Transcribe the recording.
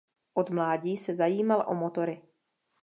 Od mládí se zajímal o motory.